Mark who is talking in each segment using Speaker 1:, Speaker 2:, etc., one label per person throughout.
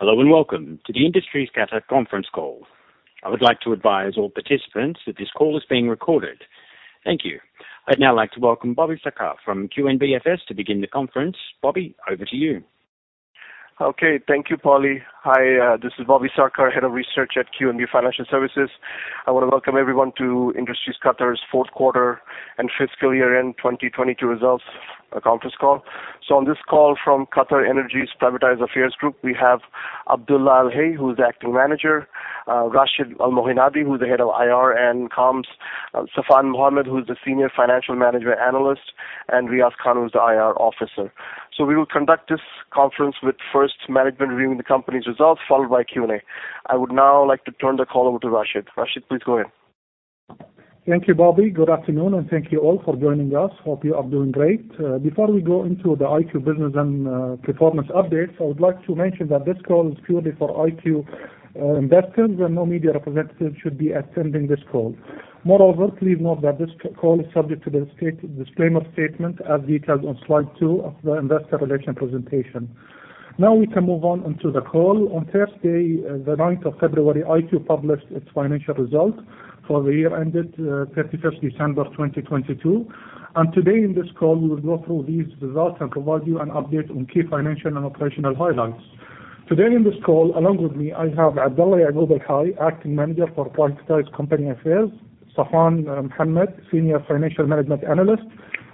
Speaker 1: Hello and welcome to the Industries Qatar conference call. I would like to advise all participants that this call is being recorded. Thank you. I'd now like to welcome Bobby Sarkar from QNB FS to begin the conference. Bobby, over to you.
Speaker 2: Okay. Thank you, Paulie. Hi, this is Bobby Sarkar, Head of Research at QNB Financial Services. I want to welcome everyone to Industries Qatar's fourth quarter and fiscal year-end 2022 results conference call. On this call from QatarEnergy's Privatized Affairs Group, we have Abdulla Al-Hay, who's the Acting Manager, Rashid Al-Mohannadi, who's the Head of IR and Comms, Saffan Mohammed, who's the Senior Financial Manager Analyst, and Riaz Khan, who's the IR Officer. We will conduct this conference with first management reviewing the company's results, followed by Q&A. I would now like to turn the call over to Rashid. Rashid, please go ahead.
Speaker 3: Thank you, Bobby. Good afternoon, and thank you all for joining us. Hope you are doing great. Before we go into the IQ business and performance updates, I would like to mention that this call is purely for IQ investors, and no media representatives should be attending this call. Moreover, please note that this call is subject to the disclaimer statement as detailed on slide two of the investor relations presentation. We can move on into the call. On Thursday, the 19th of February, IQ published its financial results for the year ended 31st December 2022, and today in this call, we will go through these results and provide you an update on key financial and operational highlights. Today in this call, along with me, I have Abdulla Al-Hay, Acting Manager for Privatized Companies Affairs, Saffan Mohammed, Senior Financial Management Analyst,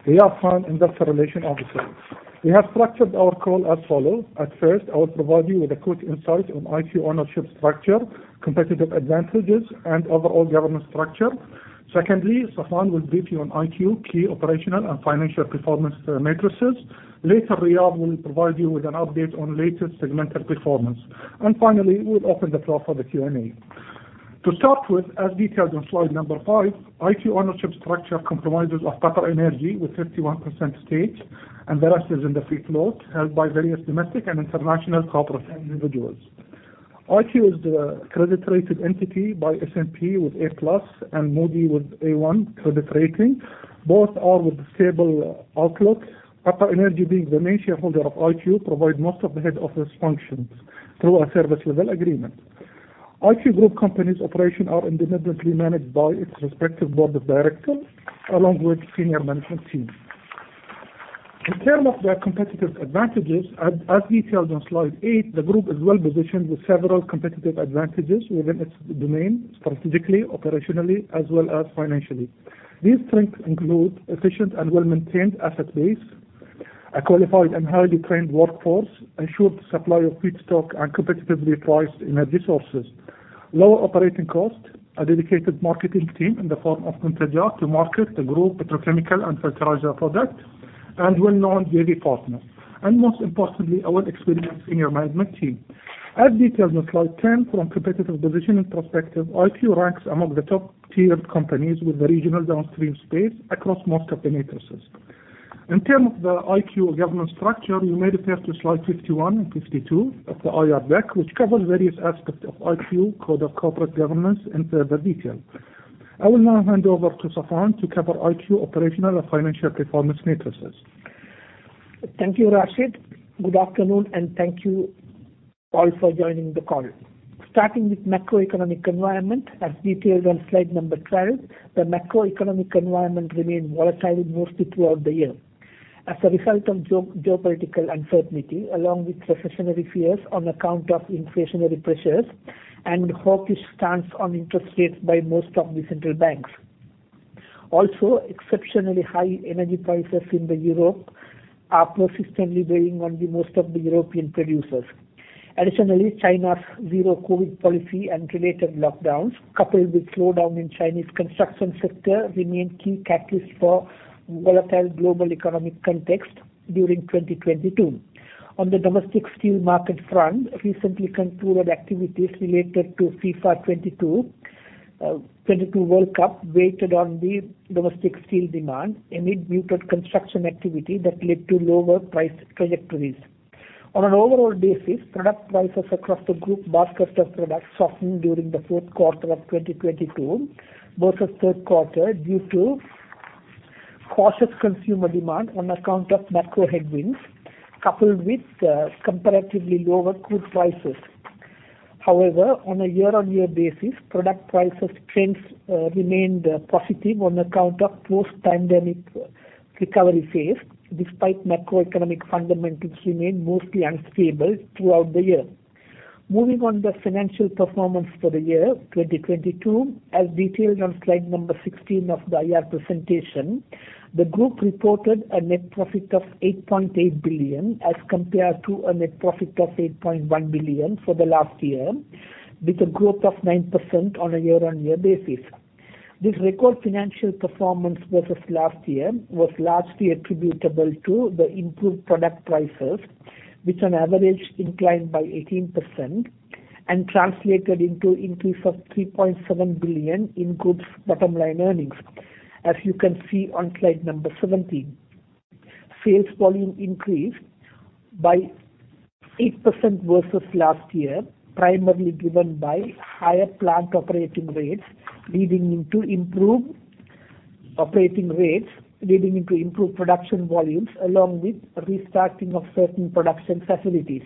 Speaker 3: Riaz Khan, Investor Relations Officer. We have structured our call as follows. At first, I will provide you with a quick insight on IQ ownership structure, competitive advantages, and overall governance structure. Secondly, Saffan will brief you on IQ key operational and financial performance metrics. Later, Riaz will provide you with an update on latest segmented performance. Finally, we'll open the floor for the Q&A. To start with, as detailed on slide number five, IQ ownership structure comprises of QatarEnergy with 51% stake, the rest is in the free float, held by various domestic and international corporate individuals. IQ is a credit-rated entity by S&P with A+ and Moody's with A1 credit rating. Both are with stable outlook. QatarEnergy, being the main shareholder of IQ, provide most of the head office functions through a service level agreement. IQ group companies' operations are independently managed by their respective board of directors along with senior management teams. In terms of their competitive advantages, as detailed on slide eight, the group is well-positioned with several competitive advantages within its domain, strategically, operationally, as well as financially. These strengths include efficient and well-maintained asset base, a qualified and highly trained workforce, assured supply of feedstock and competitively priced energy sources, lower operating cost, a dedicated marketing team in the form of Muntajat to market the group petrochemical and fertilizer products, and well-known JV partners, and most importantly, our experienced senior management team. As detailed on slide 10, from competitive positioning perspective, IQ ranks among the top-tier companies with the regional downstream space across most of the metrics. In terms of the IQ governance structure, you may refer to slide 51 and 52 of the IR deck, which covers various aspects of IQ code of corporate governance in further detail. I will now hand over to Saffan to cover IQ operational and financial performance metrics.
Speaker 4: Thank you, Rashid. Good afternoon, and thank you all for joining the call. Starting with macroeconomic environment, as detailed on slide number 12, the macroeconomic environment remained volatile mostly throughout the year as a result of geopolitical uncertainty, along with recessionary fears on account of inflationary pressures and hawkish stance on interest rates by most of the central banks. Also, exceptionally high energy prices in Europe are persistently weighing on most of the European producers. Additionally, China's zero-COVID policy and related lockdowns, coupled with slowdown in Chinese construction sector, remained key catalyst for volatile global economic context during 2022. On the domestic steel market front, recently concluded activities related to FIFA 2022 World Cup weighed on the domestic steel demand amid muted construction activity that led to lower price trajectories. On an overall basis, product prices across the group basket of products softened during the fourth quarter of 2022 versus third quarter due to cautious consumer demand on account of macro headwinds, coupled with comparatively lower crude prices. However, on a year-on-year basis, product prices trends remained positive on account of post-pandemic recovery phase, despite macroeconomic fundamentals remained mostly unstable throughout the year. Moving on the financial performance for the year 2022, as detailed on slide number 16 of the IR presentation, the group reported a net profit of 8.8 billion as compared to a net profit of 8.1 billion for the last year, with a growth of 9% on a year-on-year basis. This record financial performance versus last year was largely attributable to the improved product prices, which on average inclined by 18% and translated into increase of QR 3.7 billion in group's bottom line earnings, as you can see on slide 17. Sales volume increased by 8% versus last year, primarily driven by higher plant operating rates leading into improved Operating rates leading into improved production volumes, along with restarting of certain production facilities.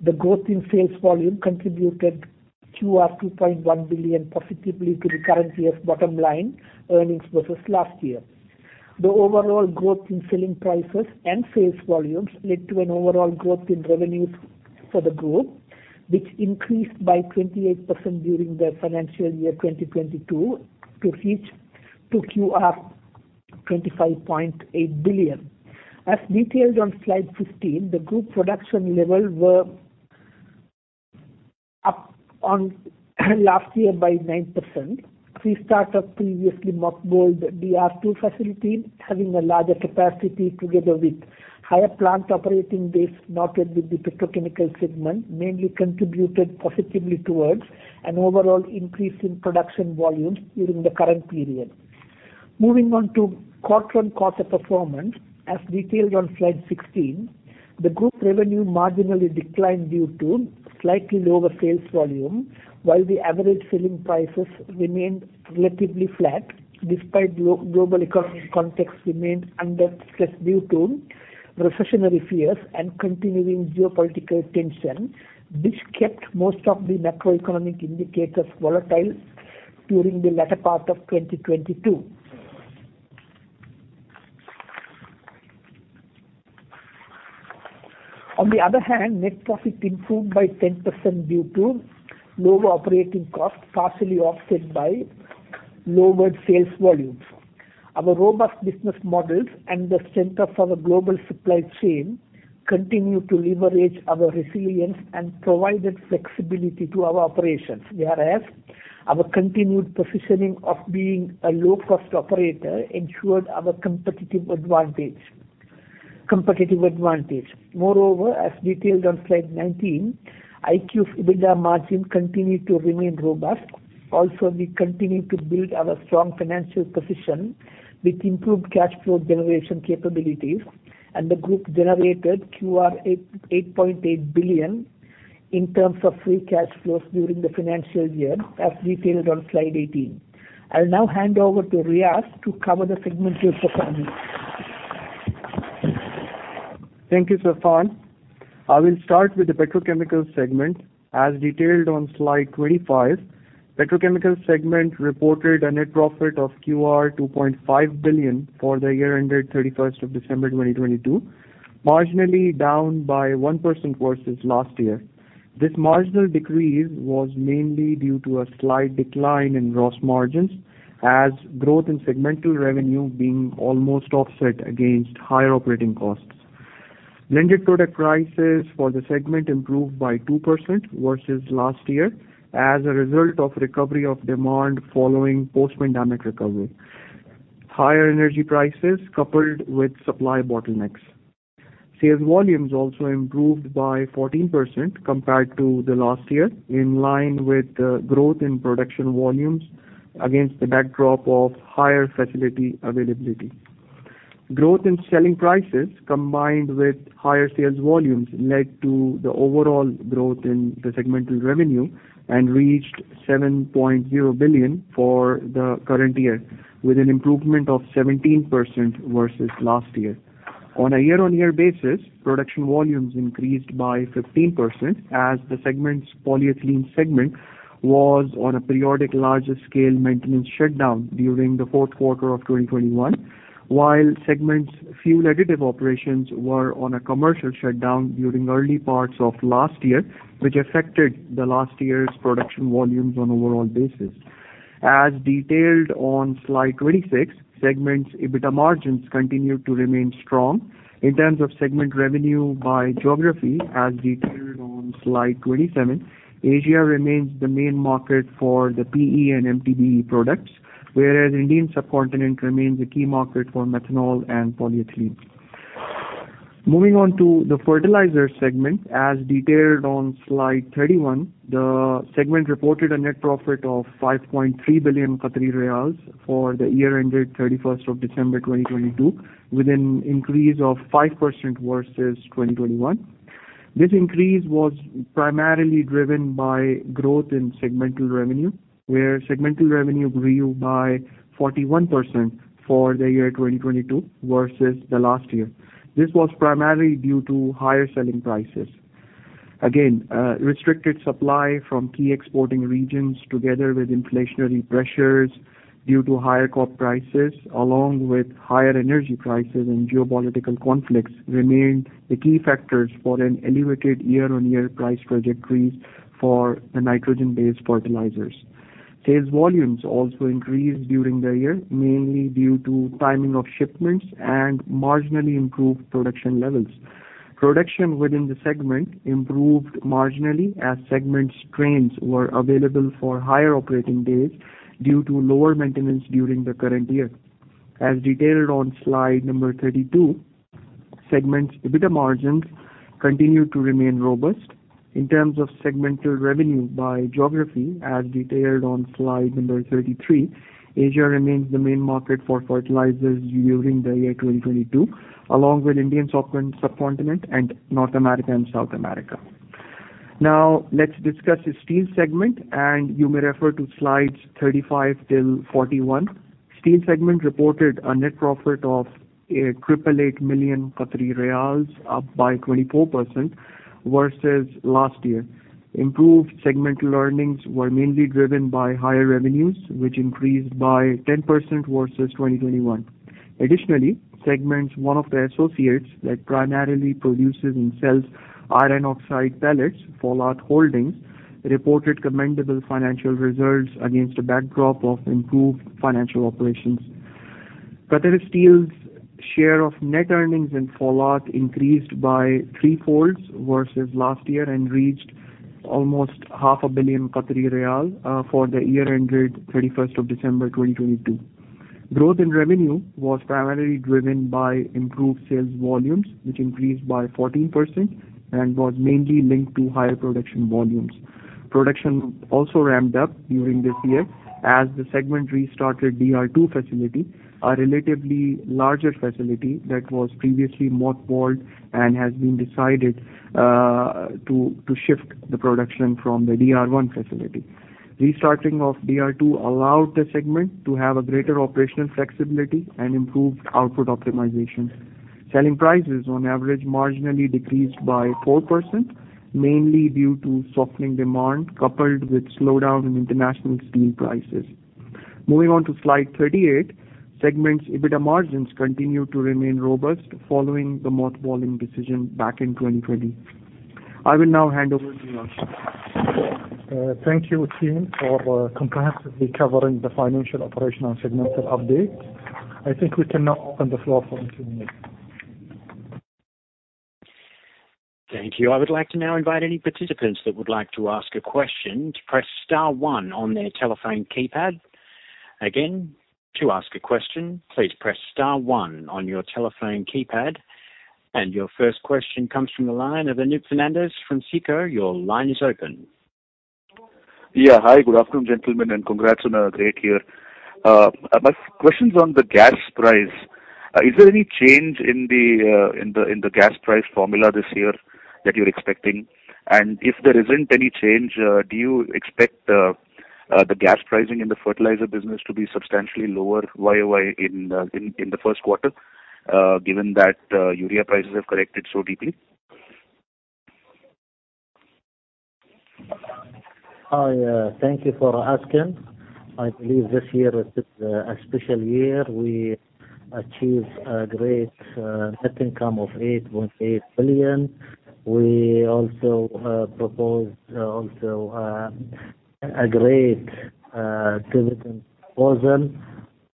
Speaker 4: The growth in sales volume contributed QR 2.1 billion positively to the current year's bottom line earnings versus last year. The overall growth in selling prices and sales volumes led to an overall growth in revenues for the group, which increased by 28% during the financial year 2022 to reach QR 25.8 billion. As detailed on slide 15, the group production levels were up on last year by 9%. We started previously mothballed DR2 facility, having a larger capacity together with higher plant operating days noted with the petrochemical segment, mainly contributed positively towards an overall increase in production volumes during the current period. Moving on to quarter-on-quarter performance. As detailed on slide 16, the group revenue marginally declined due to slightly lower sales volume, while the average selling prices remained relatively flat, despite global economic context remained under stress due to recessionary fears and continuing geopolitical tension, which kept most of the macroeconomic indicators volatile during the latter part of 2022. On the other hand, net profit improved by 10% due to lower operating costs, partially offset by lowered sales volumes. Our robust business models and the center for the global supply chain continue to leverage our resilience and provided flexibility to our operations. Our continued positioning of being a low-cost operator ensured our competitive advantage. Moreover, as detailed on slide 19, IQ's EBITDA margin continued to remain robust. Also, we continued to build our strong financial position with improved cash flow generation capabilities, and the group generated QR 8.8 billion in terms of free cash flows during the financial year, as detailed on Slide 18. I'll now hand over to Riaz to cover the segment's performance.
Speaker 5: Thank you, Safwan. I will start with the petrochemical segment. As detailed on slide 25, petrochemical segment reported a net profit of QR 2.5 billion for the year ended 31st of December 2022, marginally down by 1% versus last year. This marginal decrease was mainly due to a slight decline in gross margins, as growth in segmental revenue being almost offset against higher operating costs. Blended product prices for the segment improved by 2% versus last year as a result of recovery of demand following post-pandemic recovery. Higher energy prices coupled with supply bottlenecks. Sales volumes also improved by 14% compared to the last year, in line with the growth in production volumes against the backdrop of higher facility availability. Growth in selling prices, combined with higher sales volumes, led to the overall growth in the segmental revenue and reached 7.0 billion for the current year, with an improvement of 17% versus last year. On a year-on-year basis, production volumes increased by 15% as the segment's polyethylene segment was on a periodic larger scale maintenance shutdown during the fourth quarter of 2021, while segment's fuel additive operations were on a commercial shutdown during early parts of last year, which affected the last year's production volumes on overall basis. As detailed on slide 26, segment's EBITDA margins continued to remain strong. In terms of segment revenue by geography, as detailed on slide 27, Asia remains the main market for the PE and MTBE products, whereas Indian subcontinent remains a key market for methanol and polyethylene. The fertilizer segment, as detailed on slide 31, reported a net profit of 5.3 billion Qatari riyals for the year ended 31st of December 2022, with an increase of 5% versus 2021. This increase was primarily driven by growth in segmental revenue, where segmental revenue grew by 41% for the year 2022 versus the last year. This was primarily due to higher selling prices. Again, restricted supply from key exporting regions together with inflationary pressures due to higher cost prices, along with higher energy prices and geopolitical conflicts, remained the key factors for an elevated year-on-year price trajectories for the nitrogen-based fertilizers. Sales volumes also increased during the year, mainly due to timing of shipments and marginally improved production levels. Production within the segment improved marginally as segment's trains were available for higher operating days due to lower maintenance during the current year. As detailed on slide 32, segment's EBITDA margins continued to remain robust. In terms of segmental revenue by geography, as detailed on slide 33, Asia remains the main market for fertilizers during the year 2022, along with Indian subcontinent and North America and South America. Let's discuss the steel segment, and you may refer to slides 35 till 41. Steel segment reported a net profit of 888 million Qatari riyals, up by 24% versus last year. Improved segmental earnings were mainly driven by higher revenues, which increased by 10% versus 2021. Additionally, segment's one of the associates that primarily produces and sells iron oxide pellets, Foulath Holding, reported commendable financial results against a backdrop of improved financial operations. Qatar Steel's share of net earnings in Foulath increased by threefold versus last year and reached almost half a billion Qatari riyals for the year ended 31st of December 2022. Growth in revenue was primarily driven by improved sales volumes, which increased by 14% and was mainly linked to higher production volumes. Production also ramped up during this year as the segment restarted DR2 facility, a relatively larger facility that was previously mothballed and has been decided to shift the production from the DR1 facility. Restarting of DR2 allowed the segment to have a greater operational flexibility and improved output optimization. Selling prices on average marginally decreased by 4%, mainly due to softening demand coupled with slowdown in international steel prices. On slide 38, segment's EBITDA margins continue to remain robust following the mothballing decision back in 2020. I will now hand over to you, Rashid.
Speaker 3: Thank you, team, for comprehensively covering the financial operational segmental update. I think we can now open the floor for Q&A.
Speaker 1: Thank you. I would like to now invite any participants that would like to ask a question to press star one on their telephone keypad. Again, to ask a question, please press star one on your telephone keypad. Your first question comes from the line of Anup Fernandez from SICO. Your line is open.
Speaker 6: Yeah. Hi, good afternoon, gentlemen, and congrats on a great year. My question's on the gas price. Is there any change in the gas price formula this year that you're expecting? If there isn't any change, do you expect the gas pricing in the fertilizer business to be substantially lower Y-o-Y in the first quarter, given that urea prices have corrected so deeply?
Speaker 3: Hi. Thank you for asking. I believe this year is a special year. We achieved a great net income of 8.8 billion. We also proposed a great dividend proposal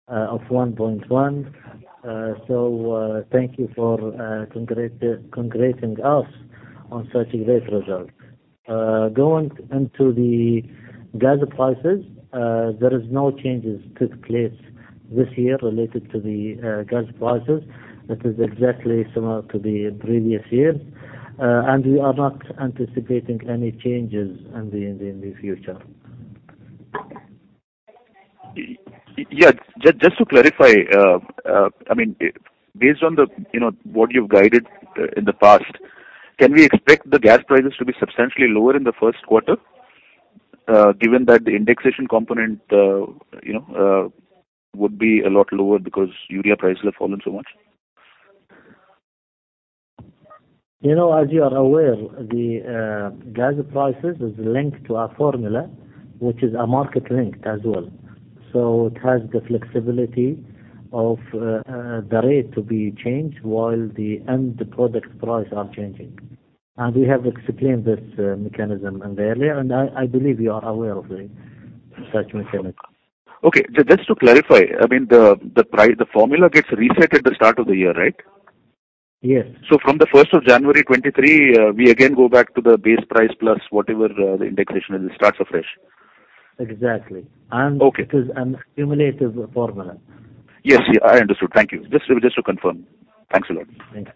Speaker 3: of 1.1. Thank you for congratulating us on such a great result. Going into the gas prices, there is no changes took place this year related to the gas prices. That is exactly similar to the previous year. We are not anticipating any changes in the near future.
Speaker 6: Yeah. Just to clarify, based on what you've guided in the past, can we expect the gas prices to be substantially lower in the first quarter, given that the indexation component would be a lot lower because urea prices have fallen so much?
Speaker 3: As you are aware, the gas prices is linked to a formula, which is a market link as well. It has the flexibility of the rate to be changed while the end product price are changing. We have explained this mechanism earlier, I believe you are aware of such mechanism.
Speaker 6: Okay. Just to clarify, the formula gets reset at the start of the year, right?
Speaker 3: Yes.
Speaker 6: From the 1st of January 2023, we again go back to the base price plus whatever the indexation is. It starts afresh.
Speaker 3: Exactly.
Speaker 6: Okay.
Speaker 3: It is an accumulative formula.
Speaker 6: Yes. Yeah, I understood. Thank you. Just to confirm. Thanks a lot.
Speaker 3: Thank you.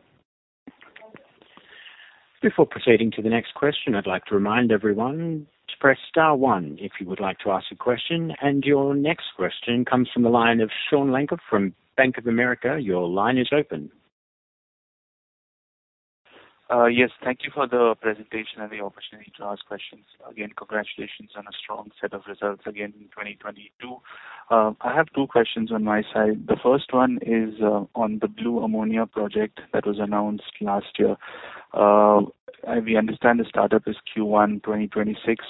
Speaker 1: Before proceeding to the next question, I'd like to remind everyone to press star one if you would like to ask a question. Your next question comes from the line of Sean Lenkart from Bank of America. Your line is open.
Speaker 7: Yes. Thank you for the presentation and the opportunity to ask questions. Again, congratulations on a strong set of results again in 2022. I have two questions on my side. The first one is on the blue ammonia project that was announced last year. We understand the startup is Q1 2026.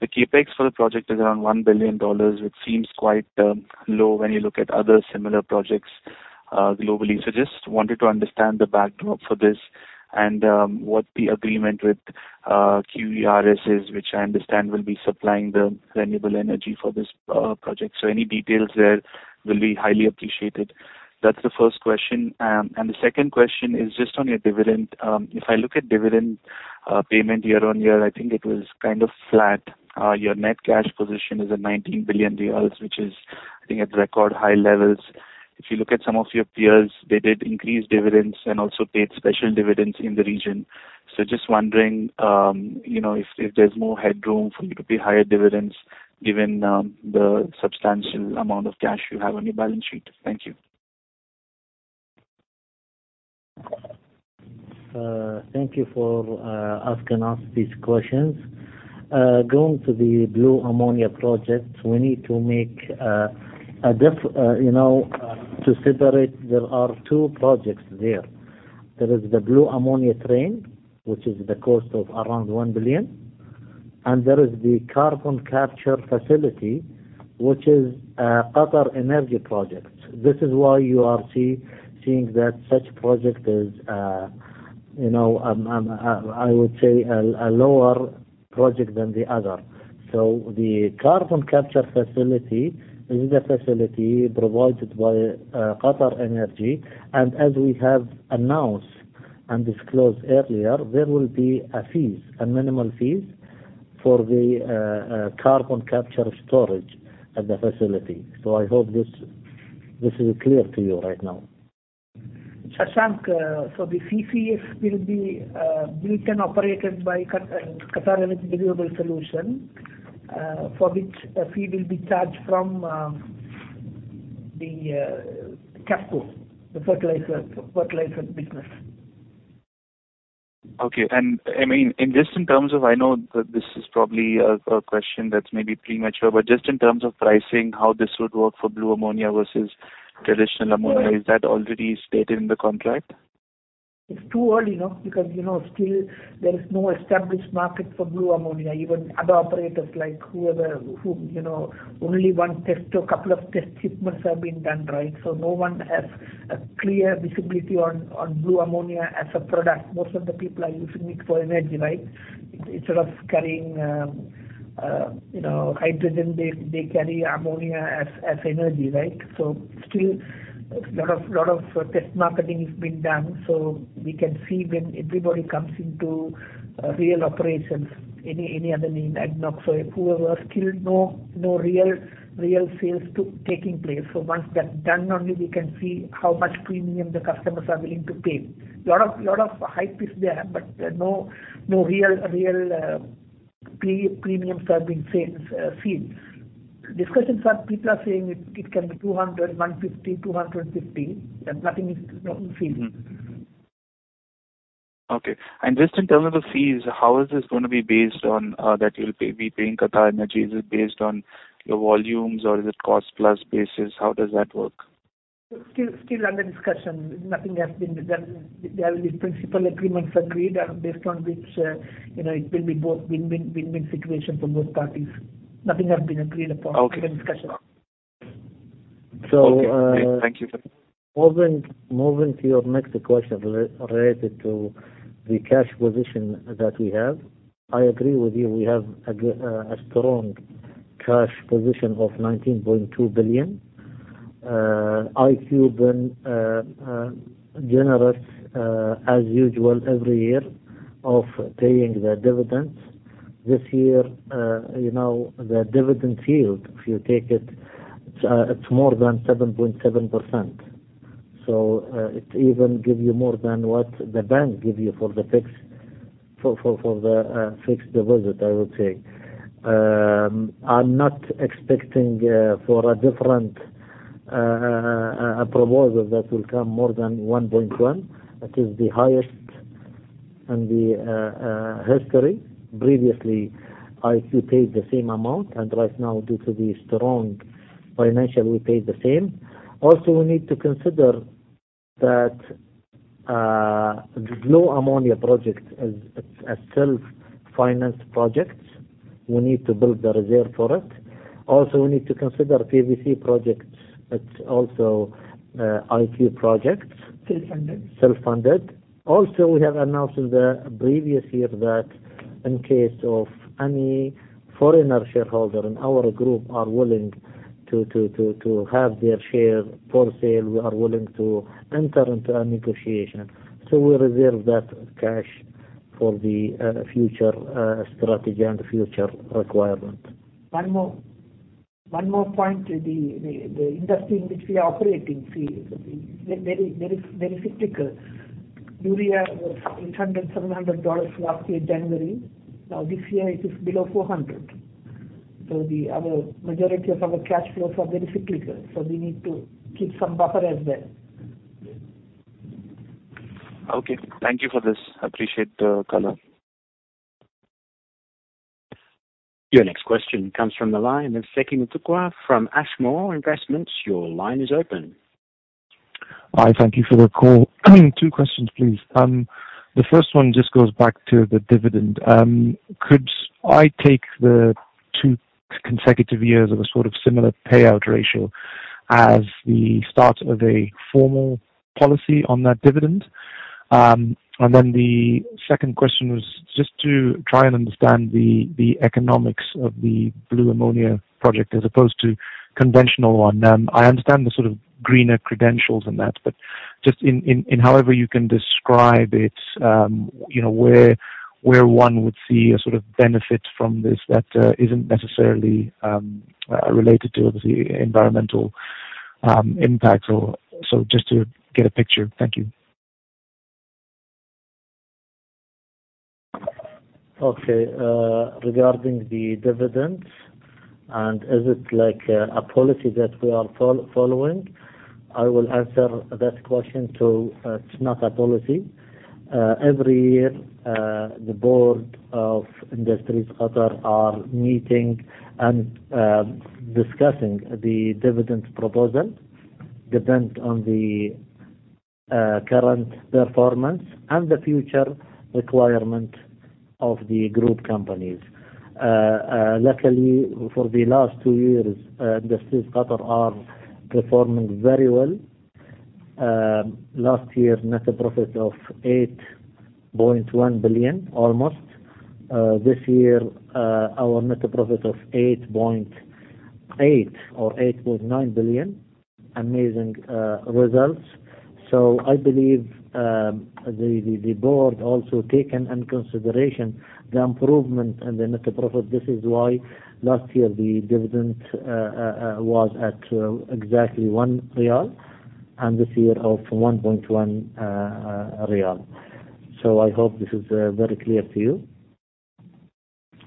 Speaker 7: The CapEx for the project is around $1 billion. It seems quite low when you look at other similar projects globally. Just wanted to understand the backdrop for this and what the agreement with QERS is, which I understand will be supplying the renewable energy for this project. Any details there will be highly appreciated. That's the first question. The second question is just on your dividend. If I look at dividend payment year-on-year, I think it was kind of flat. Your net cash position is at 19 billion riyals, which is, I think, at record high levels. If you look at some of your peers, they did increase dividends and also paid special dividends in the region. Just wondering if there's more headroom for you to pay higher dividends given the substantial amount of cash you have on your balance sheet. Thank you.
Speaker 8: Thank you for asking us these questions. Going to the Blue Ammonia project, we need to separate. There are two projects there. There is the Blue Ammonia train, which is the cost of around $1 billion, and there is the carbon capture facility, which is a QatarEnergy project. This is why you are seeing that such project is, I would say, a lower project than the other. The carbon capture facility is the facility provided by QatarEnergy. As we have announced and disclosed earlier, there will be a fee, a minimal fee for the carbon capture storage at the facility. I hope this is clear to you right now.
Speaker 4: Shashank, the CCS will be built and operated by QatarEnergy Renewable Solutions, for which a fee will be charged from the QAFCO, the fertilizer business.
Speaker 7: Okay. Just in terms of, I know that this is probably a question that's maybe premature, but just in terms of pricing, how this would work for blue ammonia versus traditional ammonia, is that already stated in the contract?
Speaker 4: It's too early now because still there is no established market for blue ammonia, even other operators like whoever, only one test or a couple of test shipments have been done. No one has a clear visibility on blue ammonia as a product. Most of the people are using it for energy. Instead of carrying hydrogen, they carry ammonia as energy. Still a lot of test marketing is being done. We can see when everybody comes into real operations, any other name, not so poor, still no real sales taking place. Once that's done, only we can see how much premium the customers are willing to pay. Lot of hype is there, but no real premiums have been seen. Discussions are, people are saying it can be 200, 150, 250, nothing is seen.
Speaker 7: Okay. Just in terms of the fees, how is this going to be based on that you'll be paying QatarEnergy? Is it based on your volumes or is it cost-plus basis? How does that work?
Speaker 4: Still under discussion. Nothing has been done. There will be principal agreements agreed based on which it will be both win-win situation for both parties. Nothing has been agreed upon.
Speaker 7: Okay. Still in discussion. Okay. Thank you.
Speaker 8: Moving to your next question related to the cash position that we have. I agree with you, we have a strong cash position of 19.2 billion. IQ generates, as usual every year, of paying the dividends. This year, the dividend yield, if you take it's more than 7.7%. It even give you more than what the bank give you for the fixed deposit, I would say. I'm not expecting for a different proposal that will come more than 1.1. That is the highest in the history. Previously, IQ paid the same amount, right now, due to the strong financial, we paid the same. Also, we need to consider that Blue Ammonia project is a self-financed project. We need to build the reserve for it. Also, we need to consider PVC projects. It's also IQ project.
Speaker 4: Self-funded.
Speaker 8: Self-funded. Also, we have announced in the previous year that in case of any foreigner shareholder in our group are willing to have their share for sale, we are willing to enter into a negotiation. We reserve that cash for the future strategy and future requirement.
Speaker 4: One more point. The industry in which we operate in is very cyclical. Urea was 800, QAR 700 last year, January. This year it is below 400. The majority of our cash flows are very cyclical. We need to keep some buffer as well.
Speaker 7: Thank you for this. Appreciate the color.
Speaker 1: Your next question comes from the line of Nseke Mutukwa from Ashmore Investments. Your line is open.
Speaker 9: Hi, thank you for the call. Two questions, please. The first one just goes back to the dividend. Could I take the two consecutive years of a sort of similar payout ratio as the start of a formal policy on that dividend? The second question was just to try and understand the economics of the blue ammonia project as opposed to conventional one. I understand the sort of greener credentials in that, but just in however you can describe it, where one would see a sort of benefit from this that isn't necessarily related to the environmental impact or so just to get a picture. Thank you.
Speaker 8: Okay. Regarding the dividends, is it like a policy that we are following? I will answer that question. It's not a policy. Every year, the board of Industries Qatar are meeting and discussing the dividend proposal. Depends on the current performance and the future requirement of the group companies. Luckily, for the last two years, Industries Qatar are performing very well. Last year, net profit of QR 8.1 billion, almost. This year, our net profit of QR 8.8 billion or QR 8.9 billion. Amazing results. I believe the board also taken into consideration the improvement in the net profit. This is why last year the dividend was at exactly QR 1, and this year of QR 1.1. I hope this is very clear to you.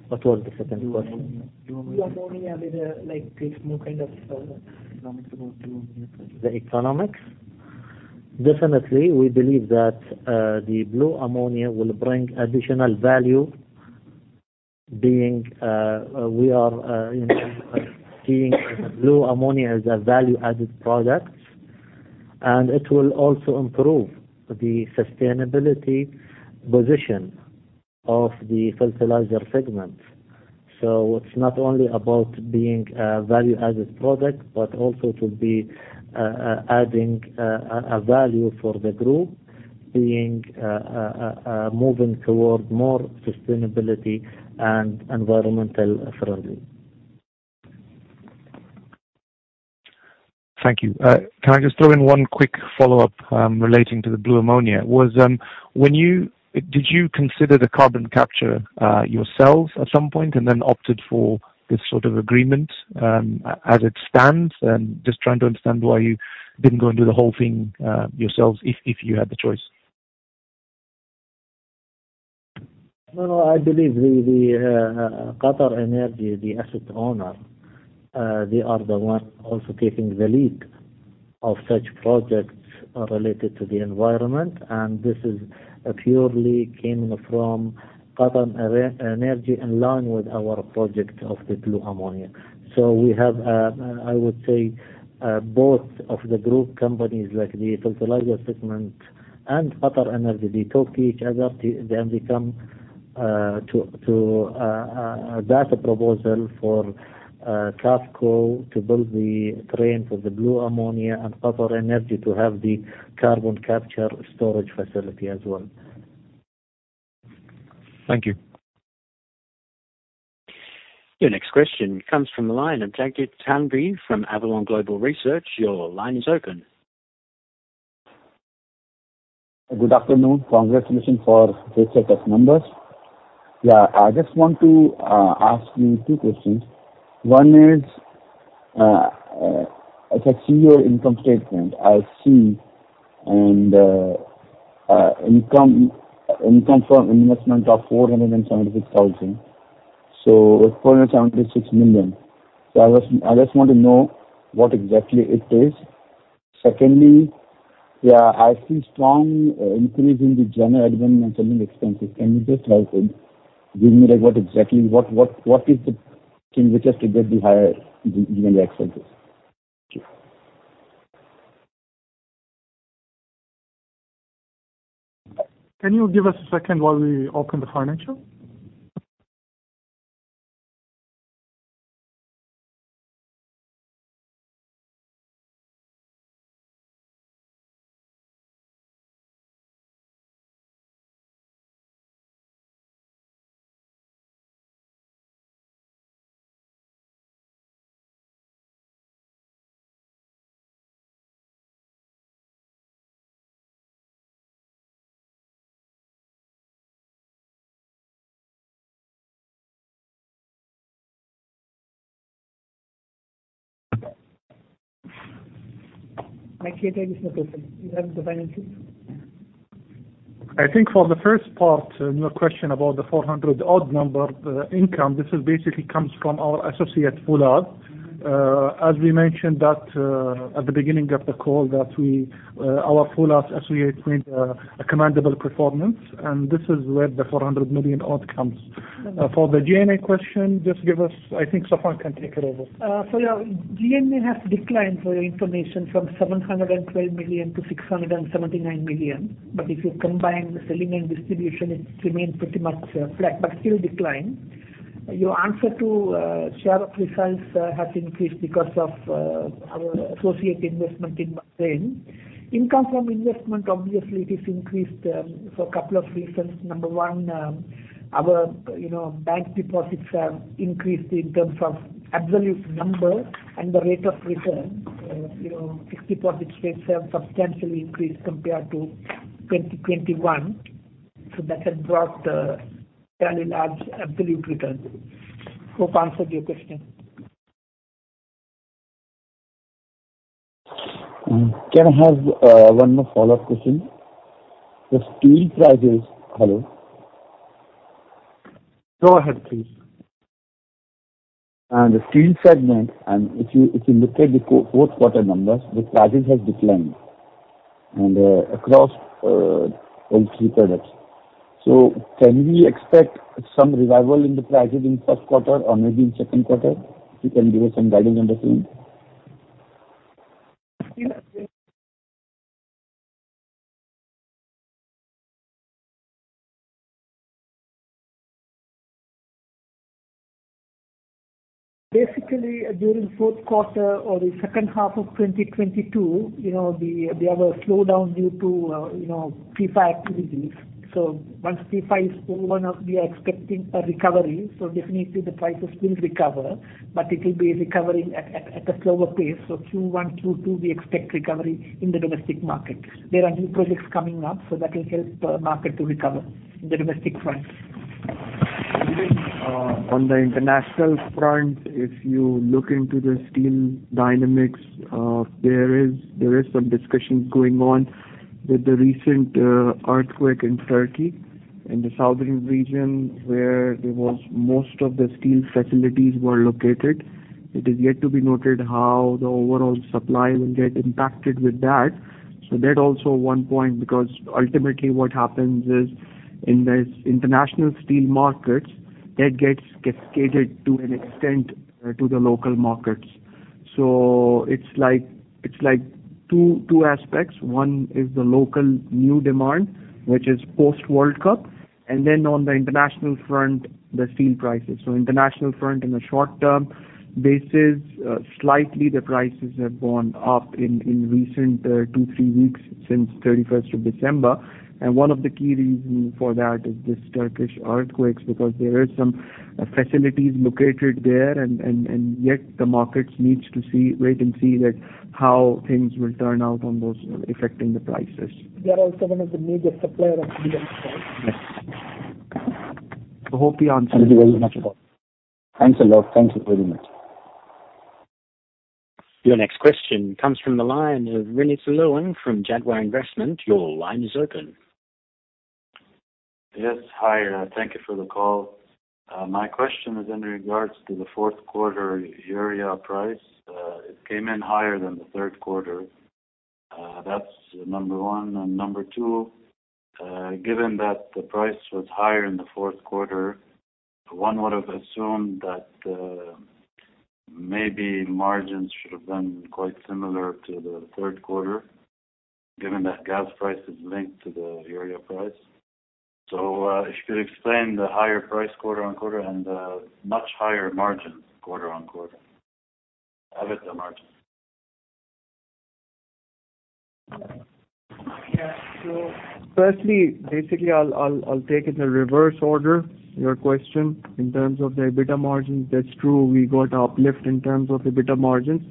Speaker 8: What was the second question?
Speaker 4: blue ammonia.
Speaker 3: blue ammonia, like give small kind of economics about blue ammonia.
Speaker 8: The economics? Definitely, we believe that the blue ammonia will bring additional value, being we are seeing blue ammonia as a value-added product. It will also improve the sustainability position of the fertilizer segment. It's not only about being a value-added product, but also to be adding a value for the group, being, moving towards more sustainability and environmental friendly.
Speaker 9: Thank you. Can I just throw in one quick follow-up relating to the blue ammonia? Did you consider the carbon capture yourselves at some point and then opted for this sort of agreement as it stands? Just trying to understand why you didn't go and do the whole thing yourselves if you had the choice.
Speaker 8: No, I believe the QatarEnergy, the asset owner, they are the one also taking the lead of such projects related to the environment. This is purely coming from QatarEnergy in line with our project of the blue ammonia. We have, I would say, both of the group companies, like the Fertilizer segment and QatarEnergy, they talk to each other. They then came to that proposal for QAFCO to build the train for the blue ammonia and QatarEnergy to have the carbon capture storage facility as well.
Speaker 9: Thank you.
Speaker 1: Your next question comes from the line of Tanvi from Avalon Global Research. Your line is open.
Speaker 10: Good afternoon. Congratulations for great set of numbers. I just want to ask you two questions. One is, I can see your income statement. I see an income from investment of 476,000, so 476 million. I just want to know what exactly it is. Secondly, I see strong increase in the general admin and selling expenses. Can you just help in giving me what exactly is the thing which has to get the higher G&A expenses? Thank you.
Speaker 3: Can you give us a second while we open the financial?
Speaker 1: My clear take is no problem. You have the financing.
Speaker 3: I think for the first part, your question about the 400-odd number income, this basically comes from our associate Foulath Holding. As we mentioned that at the beginning of the call that our Foulath Holding associate made a commendable performance, and this is where the 400 million odd comes. For the G&A question, just give us, I think Safwan can take it over.
Speaker 4: Yeah, G&A has declined, for your information, from 712 million to 679 million. If you combine the selling and distribution, it remains pretty much flat, but still declined. Your answer to share of results has increased because of our associate investment in Bahrain. Income from investment, obviously it is increased for a couple of reasons. Number one, our bank deposits have increased in terms of absolute number and the rate of return. Fixed deposit rates have substantially increased compared to 2021. That has brought fairly large absolute return. Hope answered your question.
Speaker 10: Can I have one more follow-up question? The steel prices. Hello?
Speaker 4: Go ahead, please.
Speaker 10: On the steel segment, if you look at the fourth quarter numbers, the prices have declined across all three products. Can we expect some revival in the prices in first quarter or maybe in second quarter? If you can give us some guidance on the same.
Speaker 4: Basically, during fourth quarter or the second half of 2022, we have a slowdown due to FIFA activities. Once FIFA is over now, we are expecting a recovery, so definitely the prices will recover, but it'll be recovering at a slower pace. Q1, Q2, we expect recovery in the domestic market. There are new projects coming up, so that will help the market to recover in the domestic front.
Speaker 5: Even on the international front, if you look into the steel dynamics, there is some discussion going on with the recent earthquake in Turkey, in the southern region where there was most of the steel facilities were located. It is yet to be noted how the overall supply will get impacted with that. That also one point, because ultimately what happens is in the international steel markets, that gets cascaded to an extent to the local markets. It's like two aspects. One is the local new demand, which is post-World Cup, and then on the international front, the steel prices. International front in the short term basis, slightly the prices have gone up in recent two, three weeks since 31st of December. One of the key reasons for that is this Turkish earthquakes, because there is some facilities located there and yet the markets needs to wait and see that how things will turn out on those affecting the prices.
Speaker 4: They are also one of the major supplier of
Speaker 10: Yes.
Speaker 5: hope we answered.
Speaker 10: Thank you very much.
Speaker 4: Thanks a lot. Thank you very much.
Speaker 1: Your next question comes from the line of Rinit Saloon from Jaguar Investment. Your line is open.
Speaker 11: Yes, hi. Thank you for the call. My question is in regards to the fourth quarter urea price. It came in higher than the third quarter. That's number one. Number two, given that the price was higher in the fourth quarter, one would've assumed that maybe margins should have been quite similar to the third quarter, given that gas price is linked to the urea price. If you could explain the higher price quarter on quarter and the much higher margin quarter on quarter. EBITDA margin.
Speaker 5: Yeah. Firstly, basically, I'll take it in reverse order, your question in terms of the EBITDA margin. That's true, we got uplift in terms of EBITDA margins.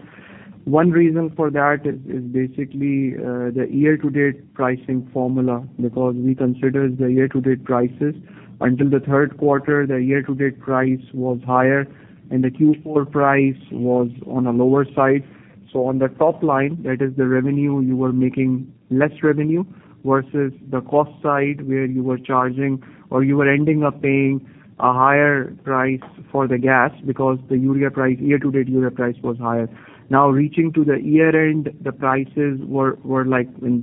Speaker 5: One reason for that is basically the year-to-date pricing formula, because we consider the year-to-date prices. Until the third quarter, the year-to-date price was higher, and the Q4 price was on a lower side. On the top line, that is the revenue, you were making less revenue versus the cost side where you were charging, or you were ending up paying a higher price for the gas because the year-to-date urea price was higher. Now reaching to the year-end, the prices were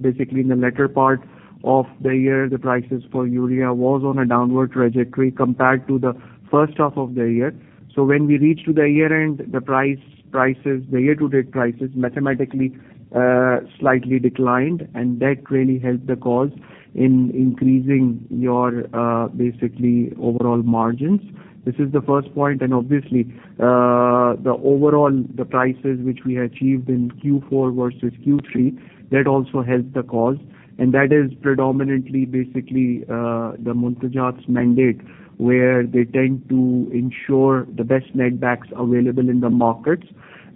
Speaker 5: basically in the latter part of the year, the prices for urea was on a downward trajectory compared to the first half of the year. When we reach to the year end, the year-to-date prices mathematically slightly declined, and that really helped the cause in increasing your basically overall margins. This is the first point, and obviously, the overall prices which we achieved in Q4 versus Q3, that also helped the cause, and that is predominantly basically the Muntajat's mandate, where they tend to ensure the best net backs available in the markets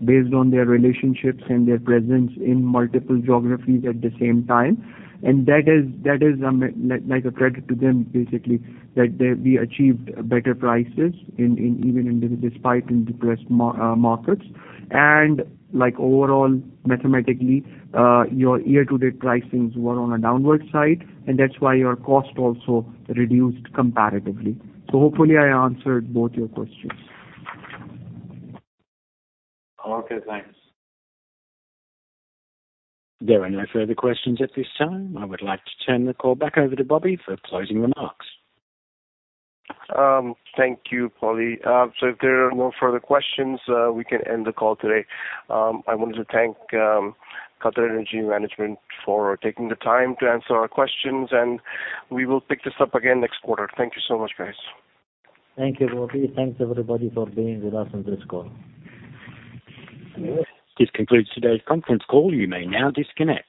Speaker 5: based on their relationships and their presence in multiple geographies at the same time. That is a credit to them, basically, that we achieved better prices even despite in depressed markets. Overall, mathematically, your year-to-date pricings were on a downward side, and that's why your cost also reduced comparatively. Hopefully I answered both your questions.
Speaker 11: Okay, thanks.
Speaker 1: There are no further questions at this time. I would like to turn the call back over to Bobby for closing remarks.
Speaker 2: Thank you, Paulie. If there are no further questions, we can end the call today. I wanted to thank QatarEnergy Management for taking the time to answer our questions, we will pick this up again next quarter. Thank you so much, guys.
Speaker 3: Thank you, Bobby. Thanks, everybody, for being with us on this call.
Speaker 1: This concludes today's conference call. You may now disconnect.